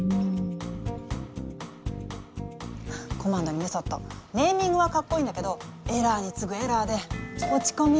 「コマンド」に「メソッド」ネーミングはかっこいいんだけどエラーにつぐエラーで落ち込みんぐ。